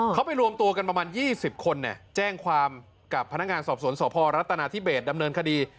เขาไปรวมตัวกันประมาณยี่สิบคนเนี่ยแจ้งความกับพนักงานสอบสนสอพรรถนาที่เบสดำเนินคดี